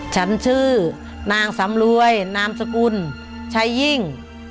ฉันชื่อนางสำรวยนามสกุลชัยยิ่ง